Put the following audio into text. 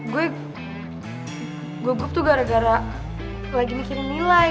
gue grup tuh gara gara lagi mikirin nilai